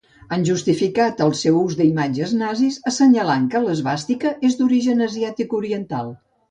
Han justificat el seu ús d'imatges nazis assenyalant que l'esvàstica és d'origen asiàtic oriental.